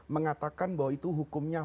mengatakan bahwa itu hukumnya